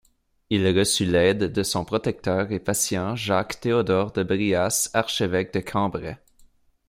Il reçut l'aide de son protecteur et patient Jacques-Théodore de Bryas, archevêque de Cambrai.